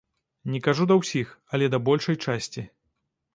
Не кажу да ўсіх, але да большай часці.